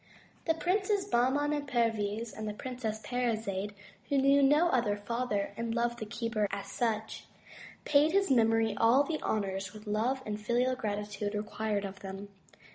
The Princes Bahman and Perviz, and the Princess Parizade, who knew no other father and loved the keeper as such, paid his memory all the honors which love and filial gratitude re quired of them.